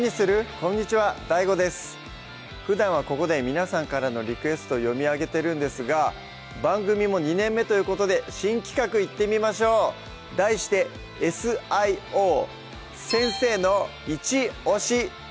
こんにちはＤＡＩＧＯですふだんはここで皆さんからのリクエスト読み上げてるんですが番組も２年目ということで新企画いってみましょう題して「Ｓ・Ｉ・Ｏ先生のイチオシ！」